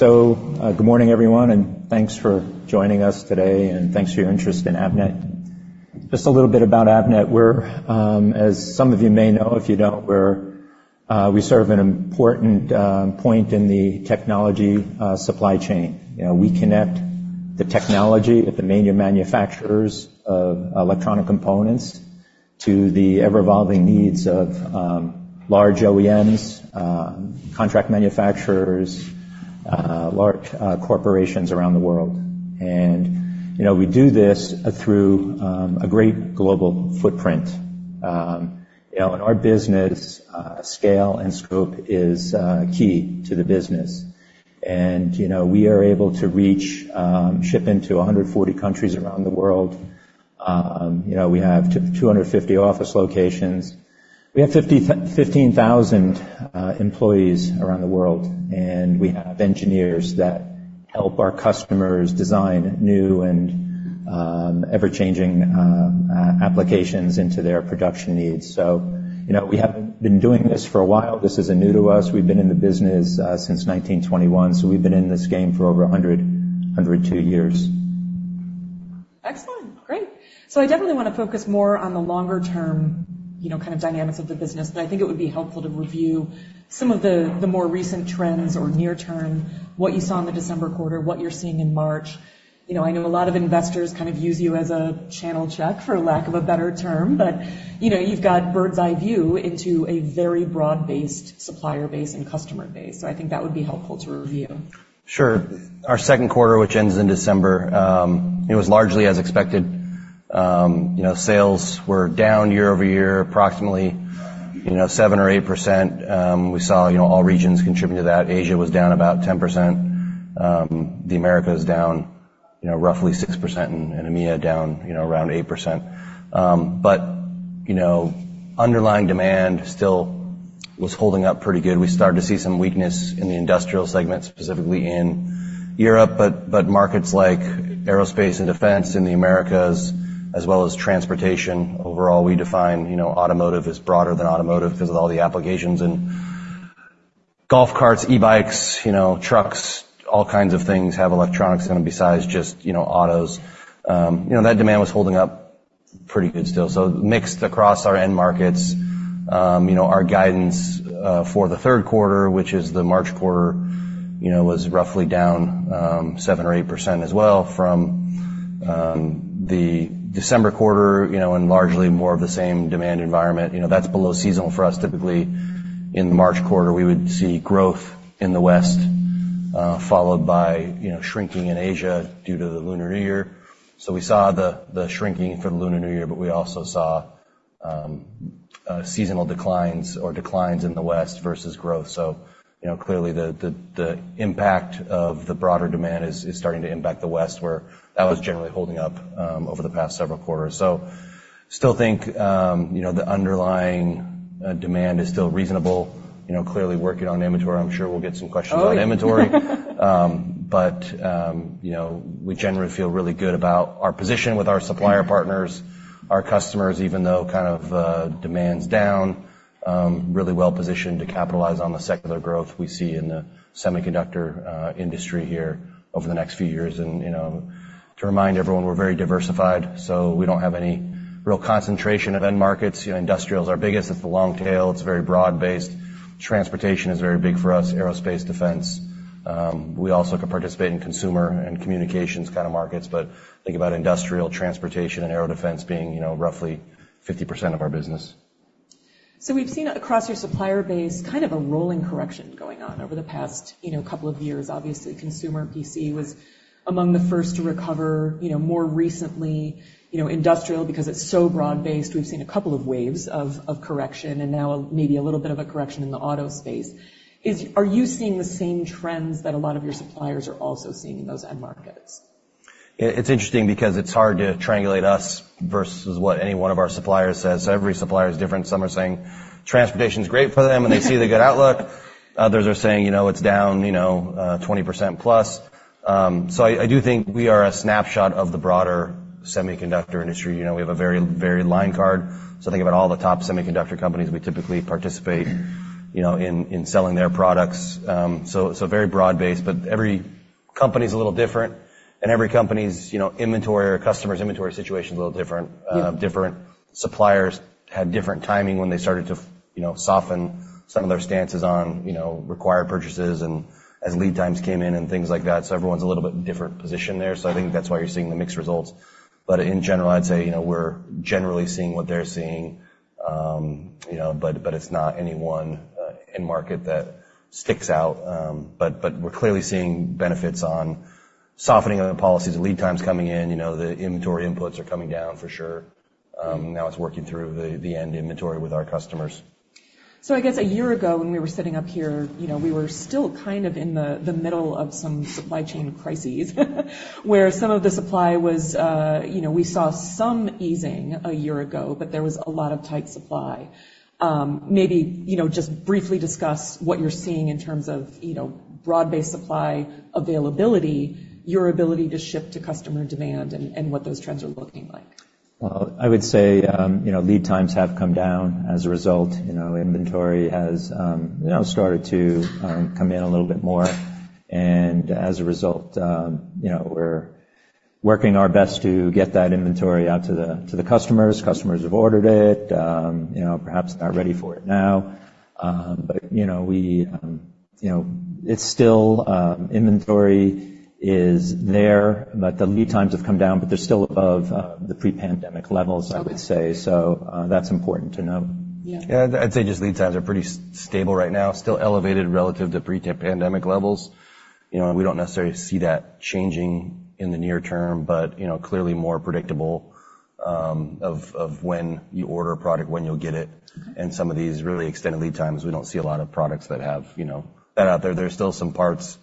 So, good morning, everyone, and thanks for joining us today, and thanks for your interest in Avnet. Just a little bit about Avnet. We're, as some of you may know, if you don't, we're, we serve an important point in the technology supply chain. You know, we connect the technology with the main manufacturers of electronic components to the ever-evolving needs of large OEMs, contract manufacturers, large corporations around the world. And, you know, we do this through a great global footprint. You know, in our business, scale and scope is key to the business. And, you know, we are able to reach, ship into 140 countries around the world. You know, we have 250 office locations. We have 15,000 employees around the world, and we have engineers that help our customers design new and ever-changing applications into their production needs. So, you know, we have been doing this for a while. This isn't new to us. We've been in the business since 1921, so we've been in this game for over 102 years. Excellent. Great. So I definitely want to focus more on the longer-term, you know, kind of dynamics of the business, but I think it would be helpful to review some of the more recent trends or near term, what you saw in the December quarter, what you're seeing in March. You know, I know a lot of investors kind of use you as a channel check, for lack of a better term, but you know, you've got bird's eye view into a very broad-based supplier base and customer base, so I think that would be helpful to review. Sure. Our second quarter, which ends in December, it was largely as expected. You know, sales were down year-over-year, approximately, you know, 7 or 8%. We saw, you know, all regions contribute to that. Asia was down about 10%, the Americas down, you know, roughly 6%, and EMEA down, you know, around 8%. But, you know, underlying demand still was holding up pretty good. We started to see some weakness in the industrial segment, specifically in Europe, but markets like aerospace and defense in the Americas, as well as transportation. Overall, we define, you know, automotive as broader than automotive because of all the applications, and golf carts, e-bikes, you know, trucks, all kinds of things have electronics in them besides just, you know, autos. You know, that demand was holding up pretty good still. So mixed across our end markets. You know, our guidance for the third quarter, which is the March quarter, you know, was roughly down 7% or 8% as well from the December quarter, you know, and largely more of the same demand environment. You know, that's below seasonal for us. Typically, in the March quarter, we would see growth in the West, followed by, you know, shrinking in Asia due to the Lunar New Year. So we saw the impact of the broader demand is starting to impact the West, where that was generally holding up over the past several quarters. So still think, you know, the underlying demand is still reasonable. You know, clearly working on inventory. I'm sure we'll get some questions on inventory. Oh, yeah. You know, we generally feel really good about our position with our supplier partners, our customers, even though kind of demand's down, really well positioned to capitalize on the secular growth we see in the semiconductor industry here over the next few years. You know, to remind everyone, we're very diversified, so we don't have any real concentration of end markets. You know, industrial is our biggest. It's the long tail. It's very broad-based. Transportation is very big for us, aerospace, defense. We also can participate in consumer and communications kind of markets, but think about industrial, transportation and aero defense being, you know, roughly 50% of our business. We've seen across your supplier base kind of a rolling correction going on over the past, you know, couple of years. Obviously, consumer PC was among the first to recover, you know, more recently, you know, industrial, because it's so broad-based, we've seen a couple of waves of correction, and now maybe a little bit of a correction in the auto space. Are you seeing the same trends that a lot of your suppliers are also seeing in those end markets? It's interesting because it's hard to triangulate us versus what any one of our suppliers says. Every supplier is different. Some are saying transportation is great for them, and they see the good outlook. Others are saying, you know, it's down, you know, 20%+. So I do think we are a snapshot of the broader semiconductor industry. You know, we have a very varied line card. So think about all the top semiconductor companies, we typically participate, you know, in selling their products. So very broad-based, but every company's a little different, and every company's, you know, inventory or customer's inventory situation is a little different. Different suppliers had different timing when they started to, you know, soften some of their stances on, you know, required purchases and as lead times came in and things like that. So everyone's a little bit different position there. So I think that's why you're seeing the mixed results. But in general, I'd say, you know, we're generally seeing what they're seeing, you know, but, but it's not any one, end market that sticks out. But, but we're clearly seeing benefits on softening of the policies, the lead times coming in, you know, the inventory inputs are coming down for sure. Now it's working through the, the end inventory with our customers. So I guess a year ago, when we were sitting up here, you know, we were still kind of in the middle of some supply chain crises, where some of the supply was, you know, we saw some easing a year ago, but there was a lot of tight supply. Maybe, you know, just briefly discuss what you're seeing in terms of, you know, broad-based supply availability, your ability to ship to customer demand and what those trends are looking like. Well, I would say, you know, lead times have come down as a result. You know, inventory has, you know, started to come in a little bit more, and as a result, you know, we're working our best to get that inventory out to the customers. Customers have ordered it, you know, perhaps not ready for it now, but, you know, we, you know, it's still inventory is there, but the lead times have come down, but they're still above the pre-pandemic levels, I would say. So, that's important to note. Yeah. I'd say just lead times are pretty stable right now, still elevated relative to pre-pandemic levels. You know, and we don't necessarily see that changing in the near term, but, you know, clearly more predictable of when you order a product, when you'll get it. And some of these really extended lead times, we don't see a lot of products that have, you know, that out there. There's still some parts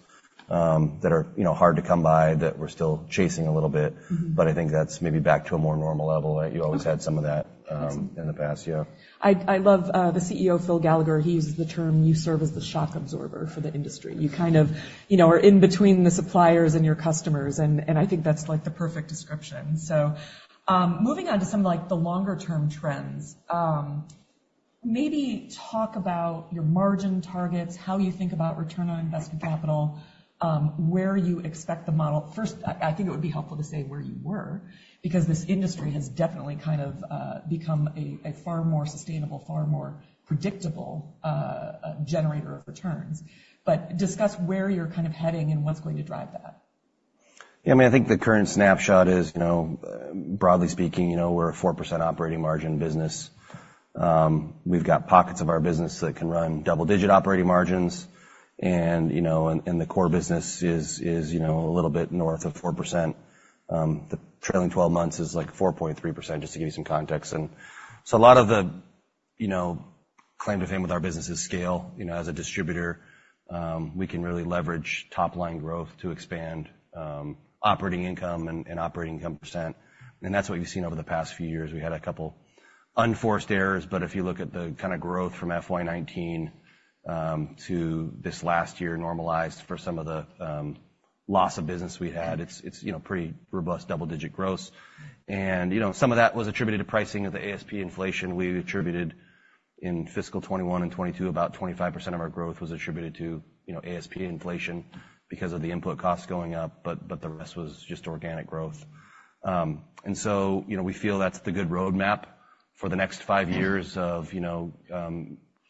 that are, you know, hard to come by, that we're still chasing a little bit. But I think that's maybe back to a more normal level, that you always had some of that in the past. Yeah. I love the CEO, Phil Gallagher. He uses the term: You serve as the shock absorber for the industry. You kind of, you know, are in between the suppliers and your customers, and I think that's, like, the perfect description. So, moving on to some of, like, the longer-term trends, maybe talk about your margin targets, how you think about return on invested capital, where you expect the model. First, I think it would be helpful to say where you were, because this industry has definitely kind of become a far more sustainable, far more predictable generator of returns. But discuss where you're kind of heading and what's going to drive that. Yeah, I mean, I think the current snapshot is, you know, broadly speaking, you know, we're a 4% operating margin business. We've got pockets of our business that can run double-digit operating margins, and, you know, and, and the core business is, is you know, a little bit north of 4%. The trailing twelve months is, like, 4.3%, just to give you some context. And so a lot of the, you know, claim to fame with our business is scale. You know, as a distributor, we can really leverage top-line growth to expand operating income and, and operating income percent, and that's what you've seen over the past few years. We had a couple unforced errors, but if you look at the kind of growth from FY 2019 to this last year, normalized for some of the loss of business we had, it's, it's, you know, pretty robust, double-digit growth. And, you know, some of that was attributed to pricing of the ASP inflation we attributed in fiscal 2021 and 2022. About 25% of our growth was attributed to, you know, ASP inflation because of the input costs going up, but, but the rest was just organic growth. And so, you know, we feel that's the good roadmap for the next 5 years of, you know,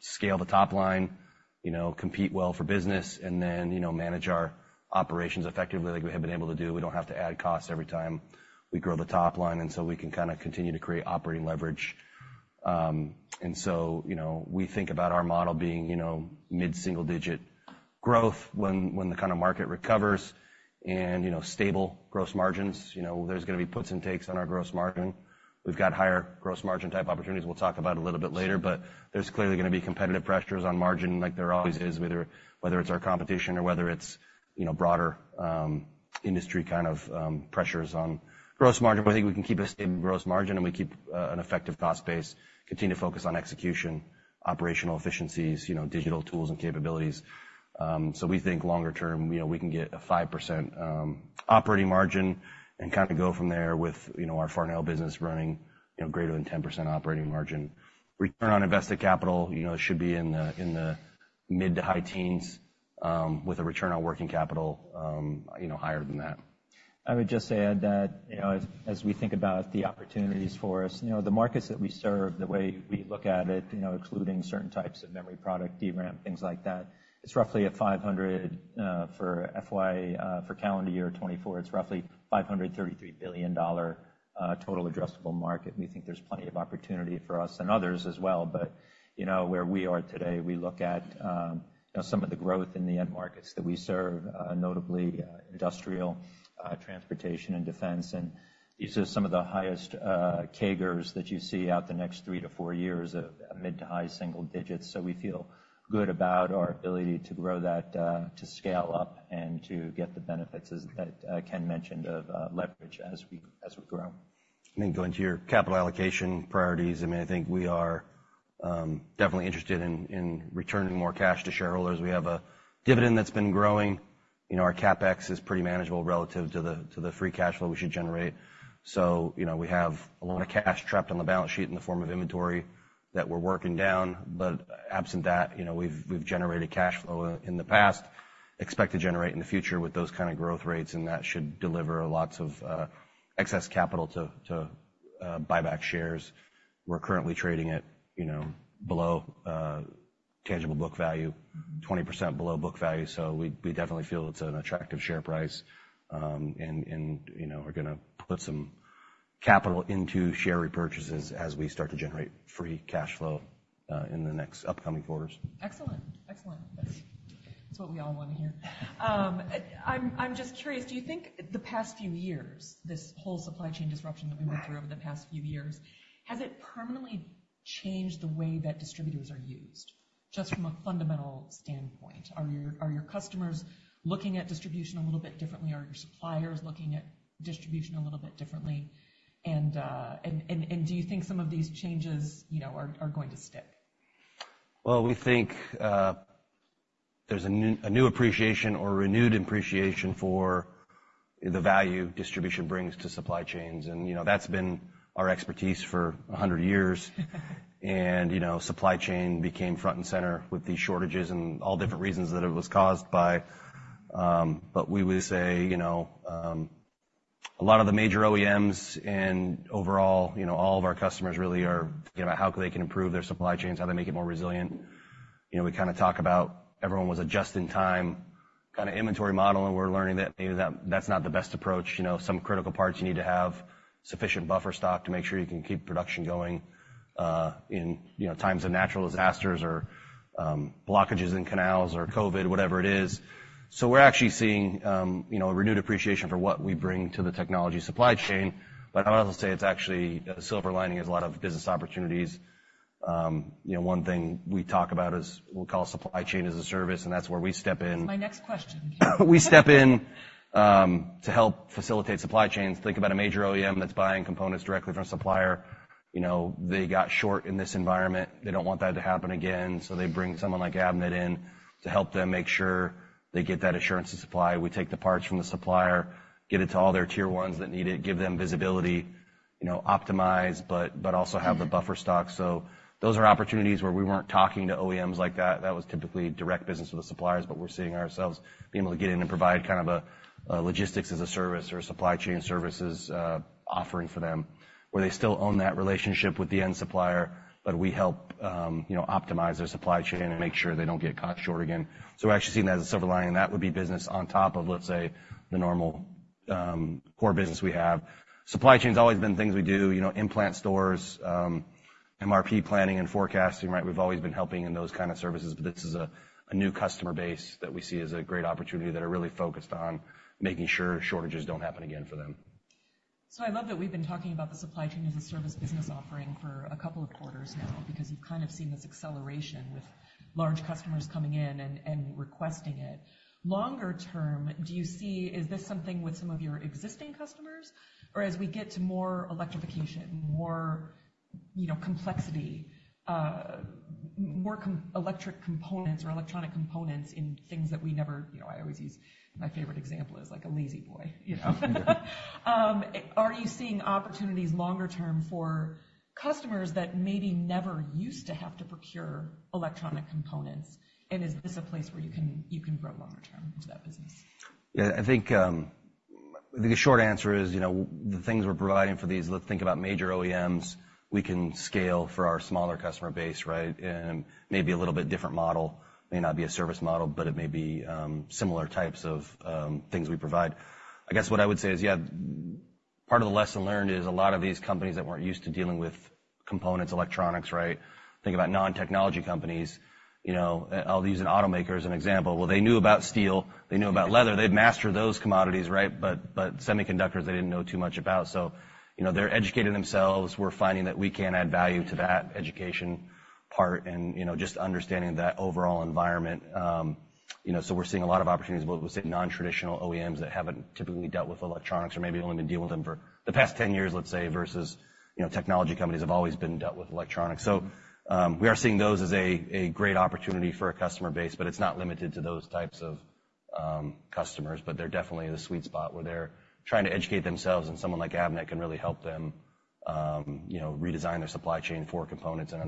scale the top line, you know, compete well for business, and then, you know, manage our operations effectively, like we have been able to do. We don't have to add costs every time we grow the top line, and so we can kinda continue to create operating leverage. And so, you know, we think about our model being, you know, mid-single digit growth when the kinda market recovers and, you know, stable gross margins. You know, there's gonna be puts and takes on our gross margin. We've got higher gross margin type opportunities we'll talk about a little bit later, but there's clearly gonna be competitive pressures on margin, like there always is, whether it's our competition or whether it's, you know, broader industry kind of pressures on gross margin. But I think we can keep a stable gross margin, and we keep an effective cost base, continue to focus on execution, operational efficiencies, you know, digital tools and capabilities. We think longer term, you know, we can get a 5% operating margin and kind of go from there with, you know, our Farnell business running, you know, greater than 10% operating margin. Return on invested capital, you know, should be in the mid- to high teens, with a return on working capital, you know, higher than that. I would just add that, you know, as we think about the opportunities for us, you know, the markets that we serve, the way we look at it, you know, including certain types of memory product, DRAM, things like that, it's roughly $500 billion for FY, for calendar year 2024, it's roughly $533 billion-dollar total addressable market. We think there's plenty of opportunity for us and others as well. But, you know, where we are today, we look at, you know, some of the growth in the end markets that we serve, notably, industrial, transportation and defense, and these are some of the highest, CAGRs that you see out the next 3-4 years of mid to high single digits. So we feel good about our ability to grow that, to scale up and to get the benefits, as Ken mentioned, of leverage as we grow. I mean, going to your capital allocation priorities, I mean, I think we are definitely interested in returning more cash to shareholders. We have a dividend that's been growing. You know, our CapEx is pretty manageable relative to the free cash flow we should generate. So, you know, we have a lot of cash trapped on the balance sheet in the form of inventory that we're working down. But absent that, you know, we've generated cash flow in the past, expect to generate in the future with those kind of growth rates, and that should deliver lots of excess capital to buy back shares. We're currently trading at, you know, below tangible book value, 20% below book value, so we definitely feel it's an attractive share price, and you know are gonna put some capital into share repurchases as we start to generate free cash flow in the next upcoming quarters. Excellent. Excellent. That's what we all want to hear. I'm just curious, do you think the past few years, this whole supply chain disruption that we went through over the past few years, has it permanently changed the way that distributors are used, just from a fundamental standpoint? Are your customers looking at distribution a little bit differently? Are your suppliers looking at distribution a little bit differently? And do you think some of these changes, you know, are going to stick? Well, we think there's a new, a new appreciation or renewed appreciation for the value distribution brings to supply chains, and, you know, that's been our expertise for 100 years. You know, supply chain became front and center with these shortages and all different reasons that it was caused by. But we would say, you know, a lot of the major OEMs and overall, you know, all of our customers really are thinking about how they can improve their supply chains, how they make it more resilient. You know, we kinda talk about everyone was a just-in-time kinda inventory model, and we're learning that maybe that, that's not the best approach. You know, some critical parts, you need to have sufficient buffer stock to make sure you can keep production going, in times of natural disasters or, blockages in canals or COVID, whatever it is. So we're actually seeing, you know, a renewed appreciation for what we bring to the technology supply chain. But I'd also say it's actually, a silver lining is a lot of business opportunities. You know, one thing we talk about is we'll call supply chain as a service, and that's where we step in. That's my next question. We step in to help facilitate supply chains. Think about a major OEM that's buying components directly from a supplier. You know, they got short in this environment. They don't want that to happen again, so they bring someone like Avnet in to help them make sure they get that assurance of supply. We take the parts from the supplier, get it to all their tier ones that need it, give them visibility, you know, optimize, but, but also have the buffer stock. Those are opportunities where we weren't talking to OEMs like that. That was typically direct business with the suppliers, but we're seeing ourselves being able to get in and provide kind of a logistics-as-a-service or supply chain services offering for them, where they still own that relationship with the end supplier, but we help you know optimize their supply chain and make sure they don't get caught short again. So we're actually seeing that as a silver lining, and that would be business on top of, let's say, the normal core business we have. Supply chain's always been things we do, you know, in-plant stores MRP planning and forecasting, right? We've always been helping in those kind of services, but this is a new customer base that we see as a great opportunity, that are really focused on making sure shortages don't happen again for them. So I love that we've been talking about the supply chain as a service business offering for a couple of quarters now, because you've kind of seen this acceleration with large customers coming in and, and requesting it. Longer term, do you see is this something with some of your existing customers? Or as we get to more electrification, more, you know, complexity, more electric components or electronic components in things that we never. I always use, my favorite example is, like, a La-Z-Boy, you know? Are you seeing opportunities longer term for customers that maybe never used to have to procure electronic components, and is this a place where you can, you can grow longer term into that business? Yeah, I think, I think the short answer is, you know, the things we're providing for these, let's think about major OEMs. We can scale for our smaller customer base, right? And maybe a little bit different model, may not be a service model, but it may be, similar types of, things we provide. I guess what I would say is, yeah, part of the lesson learned is a lot of these companies that weren't used to dealing with components, electronics, right? Think about non-technology companies. You know, I'll use an automaker as an example. Well, they knew about steel, they knew about leather. They've mastered those commodities, right? But, but semiconductors, they didn't know too much about, so, you know, they're educating themselves. We're finding that we can add value to that education part and, you know, just understanding that overall environment, you know, so we're seeing a lot of opportunities with, let's say, nontraditional OEMs that haven't typically dealt with electronics or maybe only been dealing with them for the past 10 years, let's say, versus, you know, technology companies have always been dealt with electronics. So, we are seeing those as a great opportunity for a customer base, but it's not limited to those types of customers, but they're definitely in a sweet spot where they're trying to educate themselves, and someone like Avnet can really help them, you know, redesign their supply chain for components and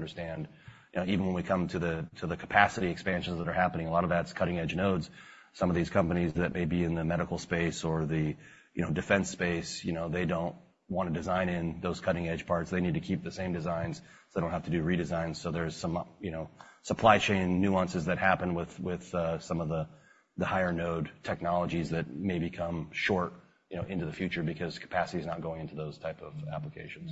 understand. You know, even when we come to the to the capacity expansions that are happening, a lot of that's cutting-edge nodes. Some of these companies that may be in the medical space or the, you know, defense space, you know, they don't want to design in those cutting-edge parts. They need to keep the same designs, so they don't have to do redesigns. So there's some, you know, supply chain nuances that happen with, with, some of the, the higher node technologies that may become short, you know, into the future because capacity is not going into those type of applications.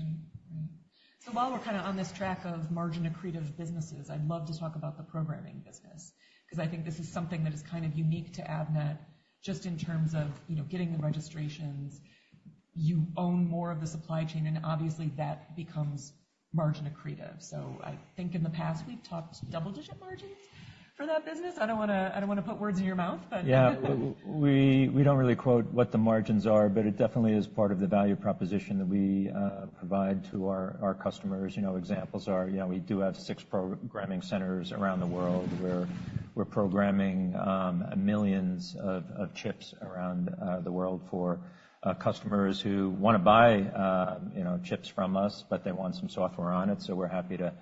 So while we're kinda on this track of margin-accretive businesses, I'd love to talk about the programming business, because I think this is something that is kind of unique to Avnet, just in terms of, you know, getting the registrations. You own more of the supply chain, and obviously, that becomes margin accretive. So I think in the past, we've talked double-digit margins for that business. I don't wanna, I don't wanna put words in your mouth, but- Yeah. We, we don't really quote what the margins are, but it definitely is part of the value proposition that we provide to our, our customers. You know, examples are, you know, we do have six programming centers around the world, where we're programming millions of chips around the world for customers who wanna buy, you know, chips from us, but they want some software on it. So we're happy to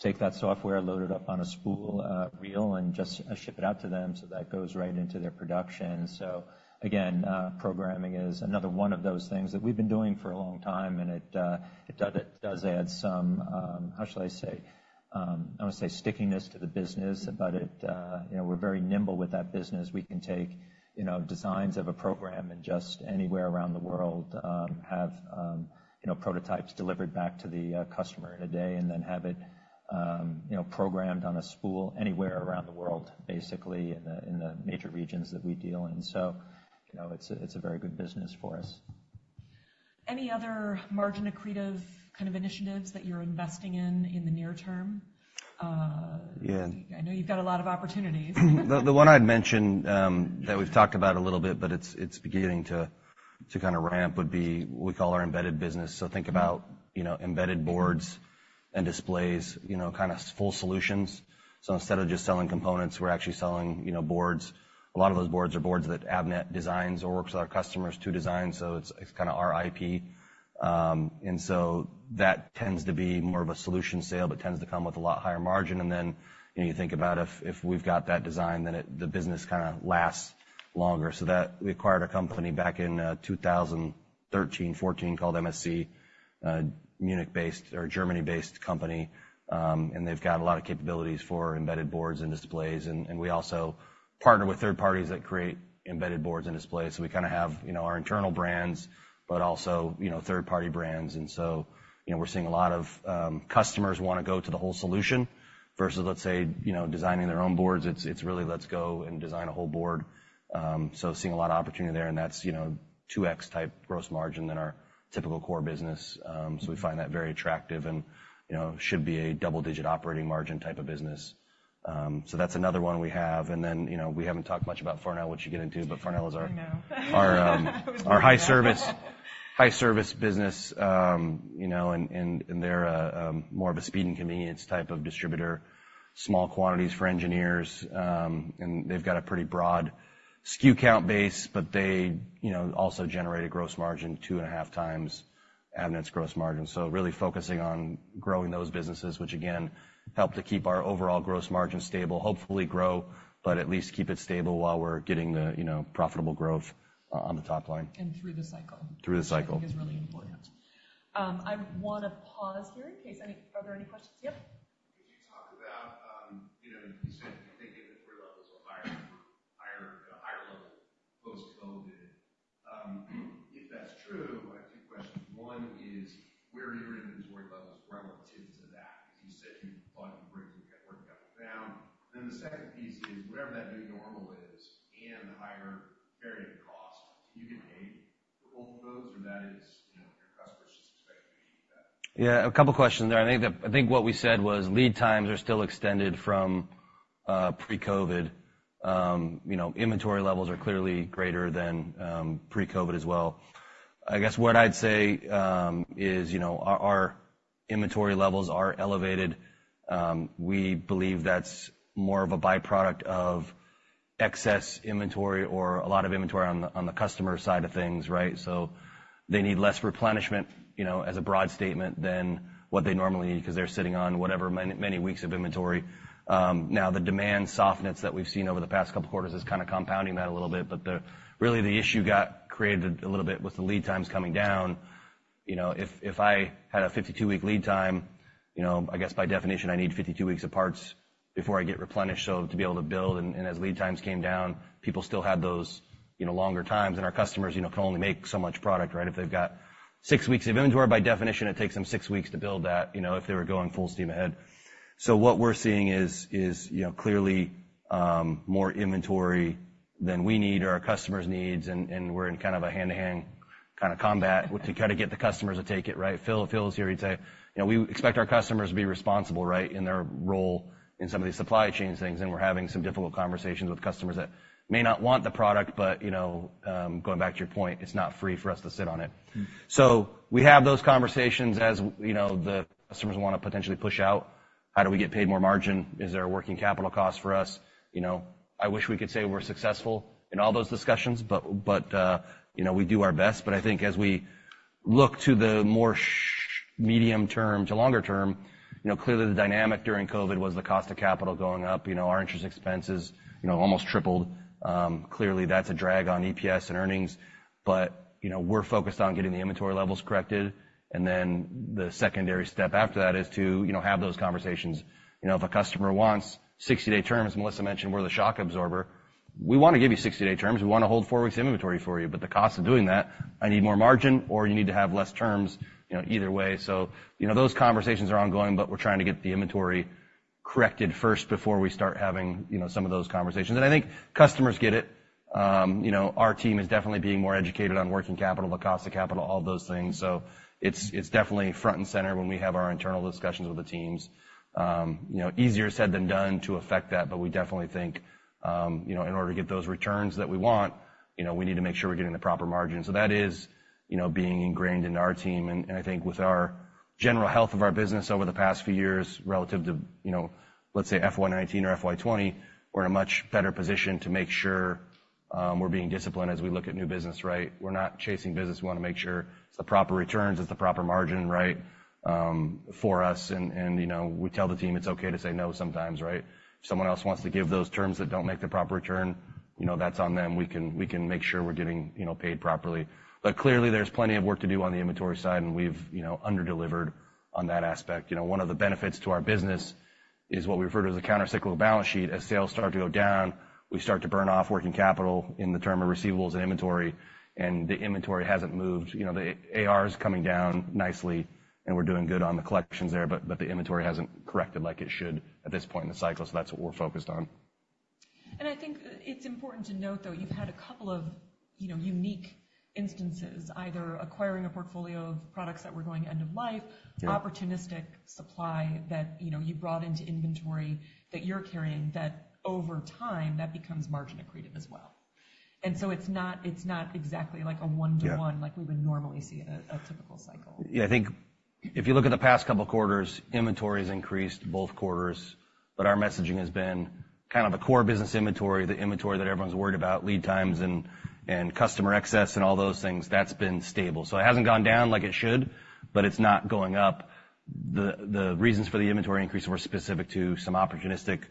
take that software, load it up on a spool, reel, and just ship it out to them, so that goes right into their production. So again, programming is another one of those things that we've been doing for a long time, and it, it does, it does add some. How should I say? I wanna say stickiness to the business, but it, you know, we're very nimble with that business. We can take, you know, designs of a program and just anywhere around the world, have, you know, prototypes delivered back to the, customer in a day and then have it, you know, programmed on a spool anywhere around the world, basically, in the, in the major regions that we deal in. It's a very good business for us. Any other margin-accretive kind of initiatives that you're investing in in the near term? I know you've got a lot of opportunities. The one I'd mentioned that we've talked about a little bit, but it's beginning to kind of ramp would be, we call our embedded business. So think about, you know, embedded boards and displays, you know, kind of full solutions. So instead of just selling components, we're actually selling, you know, boards. A lot of those boards are boards that Avnet designs or works with our customers to design, so it's kind of our IP. And so that tends to be more of a solution sale, but tends to come with a lot higher margin. And then, you know, you think about if we've got that design, then it, the business kinda lasts longer. So that we acquired a company back in 2013, 2014, called MSC, a Munich-based or Germany-based company, and they've got a lot of capabilities for embedded boards and displays. And we also partner with third parties that create embedded boards and displays. So we kinda have, you know, our internal brands, but also, you know, third-party brands. And so, you know, we're seeing a lot of customers wanna go to the whole solution versus, let's say, you know, designing their own boards. It's really let's go and design a whole board. So seeing a lot of opportunity there, and that's, you know, 2x type gross margin than our typical core business. So we find that very attractive and, you know, should be a double-digit operating margin type of business. So that's another one we have. And then, you know, we haven't talked much about Farnell, which you get into, but Farnell is our high service, high service business. You know, and they're more of a speed and convenience type of distributor, small quantities for engineers. And they've got a pretty broad SKU count base, but they, you know, also generate a gross margin 2.5x Avnet's gross margin. So really focusing on growing those businesses, which again, help to keep our overall gross margin stable, hopefully grow, but at least keep it stable while we're getting the, you know, profitable growth on the top line. Through the cycle. Through the cycle. Is really important. I wanna pause here in case any. Are there any questions? Yep. Could you talk about, you know, you said you think inventory levels are higher, higher, higher level post-COVID. If that's true, I have two questions. One is, where are your inventory levels relative to that? Because you said you thought you bring your working capital down. Then the second piece is, whatever that new normal is and the higher carrying cost, do you get paid for both of those, or that is, you know, your customers just expecting you to do that? Yeah, a couple of questions there. I think what we said was lead times are still extended from pre-COVID. You know, inventory levels are clearly greater than pre-COVID as well. I guess what I'd say is, you know, our inventory levels are elevated. We believe that's more of a byproduct of excess inventory or a lot of inventory on the customer side of things, right? So they need less replenishment, you know, as a broad statement, than what they normally need, 'cause they're sitting on whatever, many, many weeks of inventory. Now, the demand softness that we've seen over the past couple of quarters is kinda compounding that a little bit, but really, the issue got created a little bit with the lead times coming down. You know, if I had a 52-week lead time, you know, I guess by definition, I need 52 weeks of parts before I get replenished, so to be able to build. And as lead times came down, people still had those, you know, longer times, and our customers, you know, can only make so much product, right? If they've got six weeks of inventory, by definition, it takes them six weeks to build that, you know, if they were going full steam ahead. So what we're seeing is, you know, clearly, more inventory than we need or our customers needs, and we're in kind of a hand-to-hand kinda combat to try to get the customers to take it, right? Phil, Phil's here, he'd say, "You know, we expect our customers to be responsible, right, in their role in some of these supply chain things, and we're having some difficult conversations with customers that may not want the product, but, you know, going back to your point, it's not free for us to sit on it." So we have those conversations as, you know, the customers wanna potentially push out. How do we get paid more margin? Is there a working capital cost for us? You know, I wish we could say we're successful in all those discussions, but, you know, we do our best. But I think as we look to the more medium term to longer term, you know, clearly, the dynamic during COVID was the cost of capital going up. You know, our interest expenses, you know, almost tripled. Clearly, that's a drag on EPS and earnings, but, you know, we're focused on getting the inventory levels corrected, and then the secondary step after that is to, you know, have those conversations. You know, if a customer wants 60-day terms, Melissa mentioned we're the shock absorber. We wanna give you 60-day terms. We wanna hold four weeks of inventory for you, but the cost of doing that, I need more margin or you need to have less terms, you know, either way. So, you know, those conversations are ongoing, but we're trying to get the inventory corrected first before we start having, you know, some of those conversations. And I think customers get it. You know, our team is definitely being more educated on working capital, the cost of capital, all those things. So it's definitely front and center when we have our internal discussions with the teams. You know, easier said than done to affect that, but we definitely think, you know, in order to get those returns that we want, you know, we need to make sure we're getting the proper margin. So that is, you know, being ingrained in our team, and I think with our general health of our business over the past few years, relative to, you know, let's say, FY 2019 or FY 2020, we're in a much better position to make sure, we're being disciplined as we look at new business, right? We're not chasing business. We wanna make sure it's the proper returns, it's the proper margin, right, for us, and, you know, we tell the team it's okay to say no sometimes, right? If someone else wants to give those terms that don't make the proper return, you know, that's on them. We can, we can make sure we're getting, you know, paid properly. But clearly, there's plenty of work to do on the inventory side, and we've, you know, underdelivered on that aspect. You know, one of the benefits to our business is what we refer to as a countercyclical balance sheet. As sales start to go down, we start to burn off working capital in the form of receivables and inventory, and the inventory hasn't moved. You know, the AR is coming down nicely, and we're doing good on the collections there, but, but the inventory hasn't corrected like it should at this point in the cycle, so that's what we're focused on. I think it's important to note, though, you've had a couple of, you know, unique instances, either acquiring a portfolio of products that were going end of life opportunistic supply that, you know, you brought into inventory that you're carrying, that over time, that becomes margin accretive as well. And so it's not, it's not exactly like a one-to-one like we would normally see in a typical cycle. Yeah, I think if you look at the past couple of quarters, inventory has increased both quarters, but our messaging has been kind of a core business inventory, the inventory that everyone's worried about, lead times and customer excess and all those things, that's been stable. So it hasn't gone down like it should, but it's not going up. The reasons for the inventory increase were specific to some opportunistic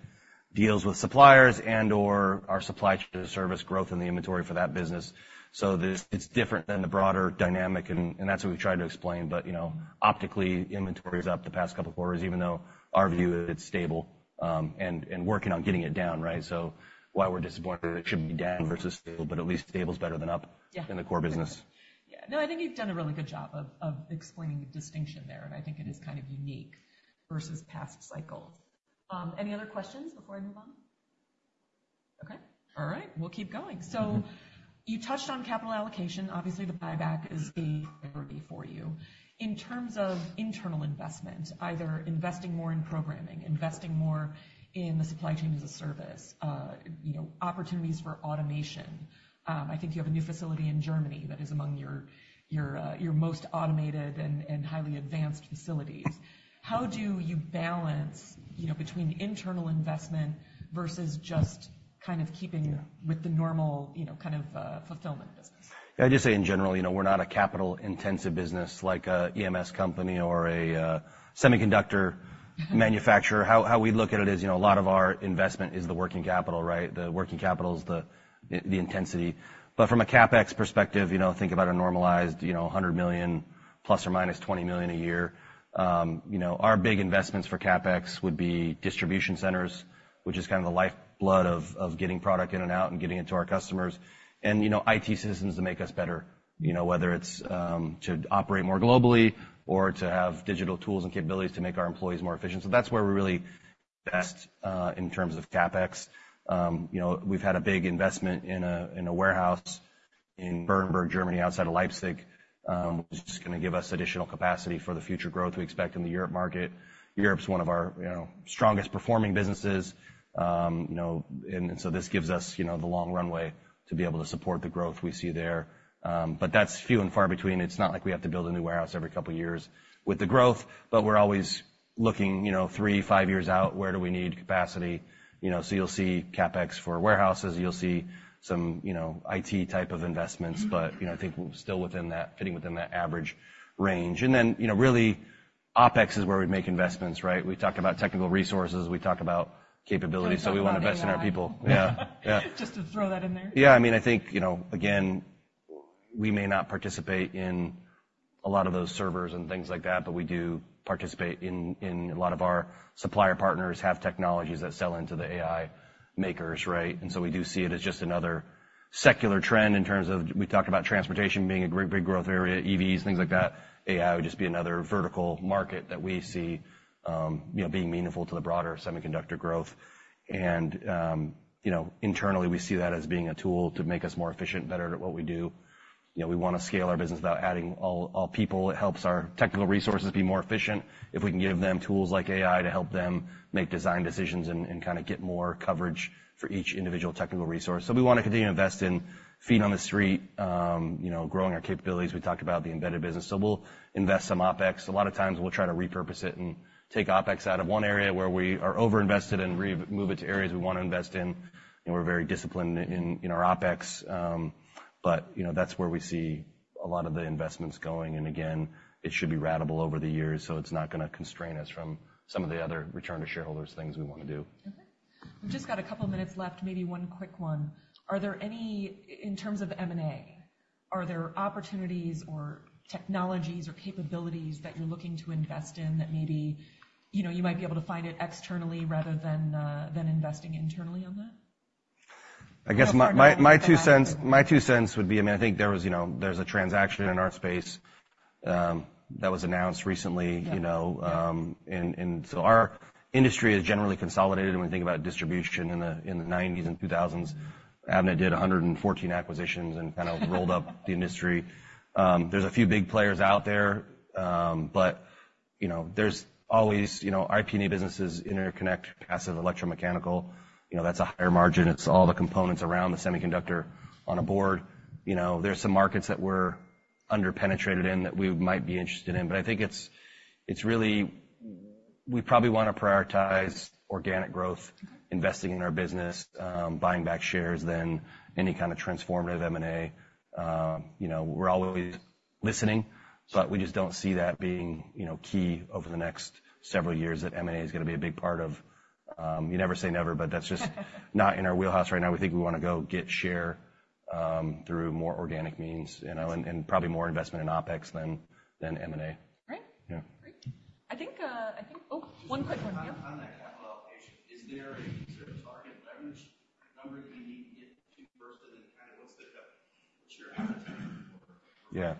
deals with suppliers and or our supply service growth in the inventory for that business. So it's different than the broader dynamic, and that's what we've tried to explain. But, you know, optically, inventory is up the past couple of quarters, even though our view is it's stable, and working on getting it down, right? So while we're disappointed, it should be down versus stable, but at least stable is better than up in the core business. Yeah. No, I think you've done a really good job of, of explaining the distinction there, and I think it is kind of unique versus past cycles. Any other questions before I move on? Okay. All right, we'll keep going. So you touched on capital allocation. Obviously, the buyback is a priority for you. In terms of internal investment, either investing more in programming, investing more in the supply chain as a service, you know, opportunities for automation. I think you have a new facility in Germany that is among your most automated and highly advanced facilities. How do you balance, you know, between internal investment versus just kind of keeping with the normal, you know, kind of, fulfillment business? I just say, in general, you know, we're not a capital-intensive business like a EMS company or a semiconductor manufacturer. How we look at it is, you know, a lot of our investment is the working capital, right? The working capital is the intensity. But from a CapEx perspective, you know, think about a normalized $100 million ± $20 million a year. You know, our big investments for CapEx would be distribution centers, which is kind of the lifeblood of getting product in and out and getting it to our customers, and, you know, IT systems to make us better, you know, whether it's to operate more globally or to have digital tools and capabilities to make our employees more efficient. So that's where we're really best in terms of CapEx. You know, we've had a big investment in a warehouse in Bernburg, Germany, outside of Leipzig, which is just going to give us additional capacity for the future growth we expect in the Europe market. Europe's one of our, you know, strongest performing businesses. You know, and so this gives us, you know, the long runway to be able to support the growth we see there. But that's few and far between. It's not like we have to build a new warehouse every couple of years with the growth, but we're always looking, you know, three, five years out, where do we need capacity? You know, so you'll see CapEx for warehouses, you'll see some, you know, IT type of investments. But, you know, I think we're still within that, fitting within that average range. And then, you know, really, OpEx is where we make investments, right? We talk about technical resources, we talk about capabilities- Talk about AI. So we want to invest in our people. Yeah, yeah. Just to throw that in there. Yeah, I mean, I think, you know, again, we may not participate in a lot of those servers and things like that, but we do participate in a lot of our supplier partners have technologies that sell into the AI makers, right? And so we do see it as just another secular trend in terms of. We talked about transportation being a great big growth area, EVs, things like that. AI would just be another vertical market that we see, you know, being meaningful to the broader semiconductor growth. And, you know, internally, we see that as being a tool to make us more efficient, better at what we do. You know, we want to scale our business without adding all people. It helps our technical resources be more efficient if we can give them tools like AI to help them make design decisions and kind of get more coverage for each individual technical resource. So we want to continue to invest in feet on the street, you know, growing our capabilities. We talked about the embedded business, so we'll invest some OpEx. A lot of times we'll try to repurpose it and take OpEx out of one area where we are overinvested and remove it to areas we want to invest in. And we're very disciplined in our OpEx. But, you know, that's where we see a lot of the investments going, and again, it should be ratable over the years, so it's not going to constrain us from some of the other return to shareholders things we want to do. Okay. We've just got a couple of minutes left, maybe one quick one. In terms of M&A, are there opportunities or technologies or capabilities that you're looking to invest in that maybe, you know, you might be able to find it externally rather than, than investing internally on that? I guess my two cents would be. I mean, I think there was there's a transaction in our space that was announced recently. You know, and so our industry is generally consolidated, and we think about distribution in the 1990s and 2000s. Avnet did 114 acquisitions and kind of rolled up the industry. There's a few big players out there, but you know, there's always our IP&E business is interconnect, passive, electromechanical. You know, that's a higher margin. It's all the components around the semiconductor on a board. You know, there are some markets that we're underpenetrated in, that we might be interested in, but I think it's really. We probably want to prioritize organic growth, investing in our business, buying back shares, than any kind of transformative M&A. You know, we're always listening, but we just don't see that being, you know, key over the next several years, that M&A is going to be a big part of. You never say never, but that's just not in our wheelhouse right now. We think we want to go get share through more organic means, you know, and probably more investment in OpEx than M&A. Great. One quick one. Yeah. On that capital allocation, is there a sort of target leverage number that you need to get to first, and then kind of what's the, what's your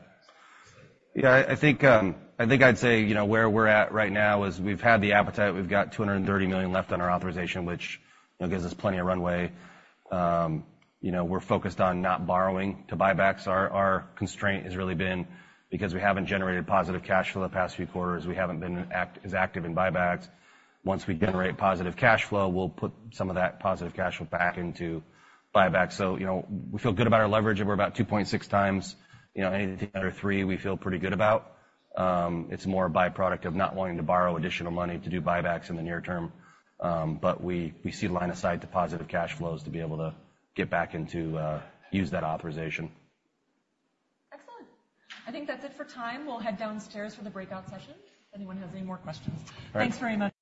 appetite for? Where we're at right now is we've had the appetite. We've got $230 million left on our authorization, which, you know, gives us plenty of runway. You know, we're focused on not borrowing to buybacks. Our constraint has really been because we haven't generated positive cash flow the past few quarters, we haven't been as active in buybacks. Once we generate positive cash flow, we'll put some of that positive cash flow back into buybacks. So, you know, we feel good about our leverage, and we're about 2.6xs, you know, anything under three, we feel pretty good about. It's more a byproduct of not wanting to borrow additional money to do buybacks in the near term. But we see the line of sight to positive cash flows to be able to get back into use that authorization. Excellent. I think that's it for time. We'll head downstairs for the breakout session, if anyone has any more questions. All right. Thanks very much.